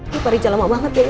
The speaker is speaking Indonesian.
ya pak riza lama banget ya